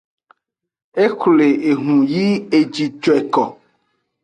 E xwle ehun yi eji joeko.